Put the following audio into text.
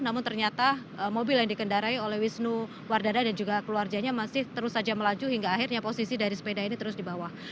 namun ternyata mobil yang dikendarai oleh wisnu wardana dan juga keluarganya masih terus saja melaju hingga akhirnya posisi dari sepeda ini terus di bawah